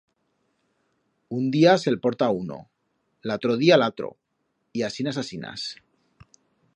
Un día s'el porta uno, l'atro día l'atro, y asinas asinas.